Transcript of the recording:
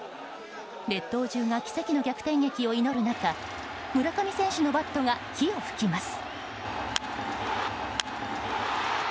列島中が奇跡の逆転劇を祈る中村上選手のバットが火を噴きます。